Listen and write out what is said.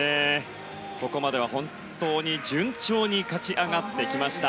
ここまでは本当に順調に勝ち上がってきました。